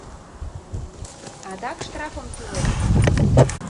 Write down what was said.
— Адак штрафым тӱлет...